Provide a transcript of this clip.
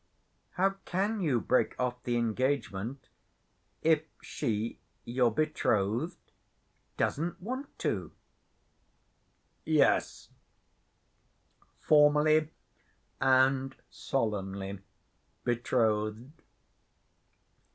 How can you break off the engagement if she, your betrothed, doesn't want to?" "Yes, formally and solemnly betrothed.